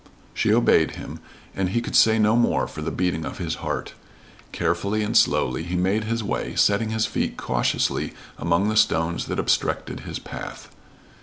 She obeyed him, and he could say no more for the beating of his heart. Carefully and slowly he made his way, setting his feet cautiously among the stones that obstructed his path.